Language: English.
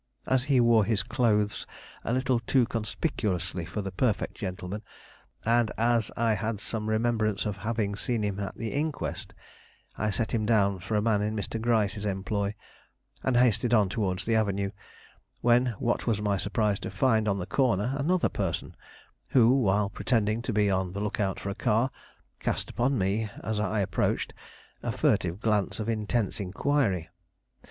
As he wore his clothes a little too conspicuously for the perfect gentleman, and as I had some remembrance of having seen him at the inquest, I set him down for a man in Mr. Gryce's employ, and hasted on towards the avenue; when what was my surprise to find on the corner another person, who, while pretending to be on the look out for a car, cast upon me, as I approached, a furtive glance of intense inquiry.